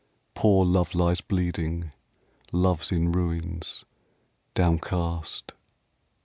Poor Love lies bleeding, Love's in ruins, downcast.